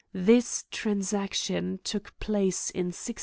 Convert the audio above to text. This transaction took place in 1632.